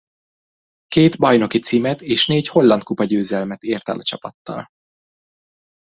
Két bajnoki címet és négy holland kupa győzelmet ért el a csapattal.